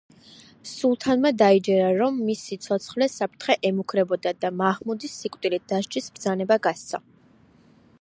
სულთანმა დაიჯერა, რომ მის სიცოცხლეს საფრთხე ემუქრებოდა და მაჰმუდის სიკვდილით დასჯის ბრძანება გასცა.